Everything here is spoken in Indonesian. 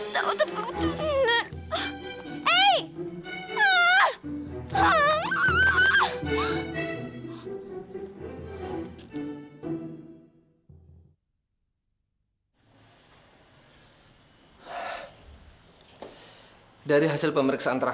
tuh tuh tuh tuh